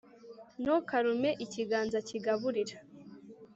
ntukarume ikiganza kigaburira